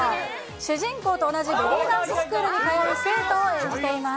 主人公と同じベリーダンススクールに通う生徒を演じています。